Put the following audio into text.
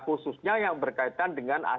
khususnya yang berkaitan dengan